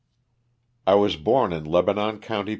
T WAS born in Lebanon county, Pa.